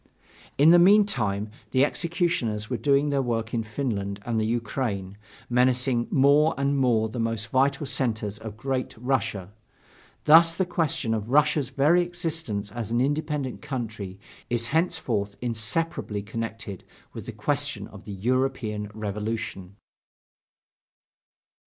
In the meantime, the executioners were doing their work in Finland and the Ukraine, menacing more and more the most vital centers of Great Russia. Thus the question of Russia's very existence as an independent country is henceforth inseparably connected with the question of the European revolution.